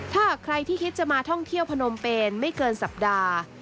ถ้าหากใครที่คิดจะมาท่องเที่ยวพนมเปนไม่เกินสัปดาห์